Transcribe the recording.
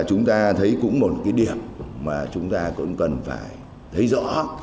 chúng ta thấy cũng một cái điểm mà chúng ta cũng cần phải thấy rõ